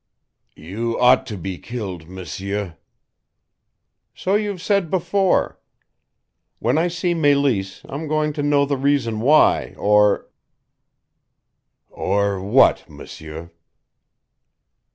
"You ought to be killed, M'seur." "So you've said before. When I see Meleese I'm going to know the reason why, or " "Or what, M'seur?"